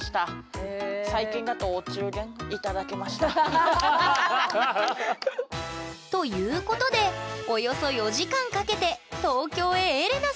ということでおよそ４時間かけて東京へエレナさんがやって来た！